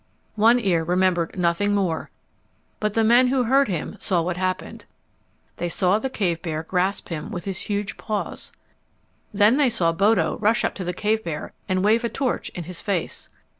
One Ear remembered nothing more, but the men who heard him saw what happened. They saw the cave bear grasp him with his huge paws. Then they saw Bodo rush up to the cave bear and wave a torch in his face.